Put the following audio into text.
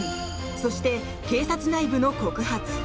そして警察内部の告発。